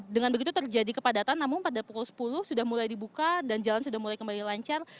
dengan begitu terjadi kepadatan namun pada pukul sepuluh sudah mulai dibuka dan jalan sudah mulai kembali lancar